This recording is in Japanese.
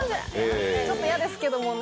ちょっと嫌ですけどね